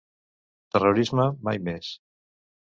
Terrorisme mai més!